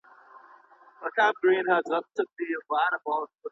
ولي محنتي ځوان د وړ کس په پرتله هدف ترلاسه کوي؟